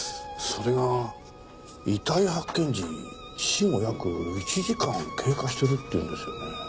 それが遺体発見時死後約１時間経過してるって言うんですよね。